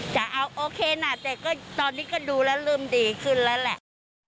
จะเอาโอเคนะแต่ก็ตอนนี้ก็ดูแล้วเริ่มดีขึ้นแล้วแหละ